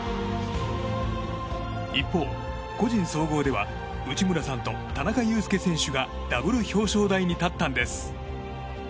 一方、個人総合では内村さんと田中佑典選手がダブル表彰台に立ったんです。